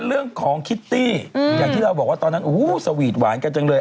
เรื่องของคิตตี้อย่างที่เราบอกว่าตอนนั้นสวีทหวานกันจังเลย